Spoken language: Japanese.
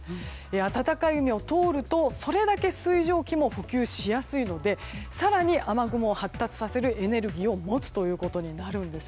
暖かい海を通るとそれだけ水蒸気も補給しやすいので更に雨雲を発達させるエネルギーを持つことになります。